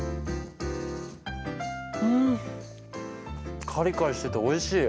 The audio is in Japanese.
うんカリカリしてておいしい。